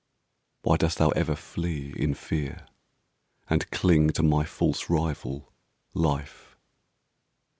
Why dost thou ever flee in fear, and cling To my false rival, Life?